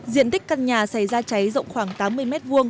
diện tích căn nhà xảy ra cháy rộng khoảng tám mươi m hai